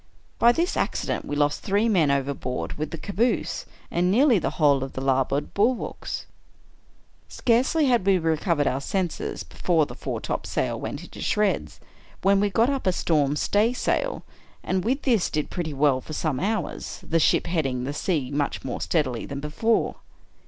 By this accident we lost three men overboard with the caboose, and nearly the whole of the larboard bulwarks. Scarcely had we recovered our senses, before the foretop sail went into shreds, when we got up a storm staysail, and with this did pretty well for some hours, the ship heading the sea much more steadily than before.